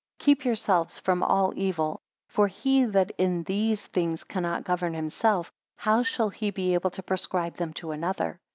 2 Keep yourselves from all evil. For he that in these things cannot govern himself, how shall he be able to prescribe them to another?